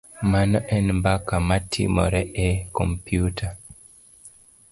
Mano en mbaka matimore e kompyuta.